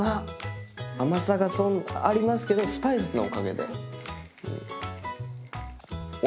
甘さがありますけどスパイスのおかげでうん。